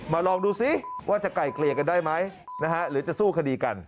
ลองดูซิว่าจะไกลเกลี่ยกันได้ไหมหรือจะสู้คดีกัน